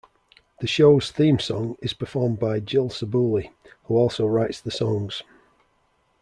The show's theme song is performed by Jill Sobule, who also writes the songs.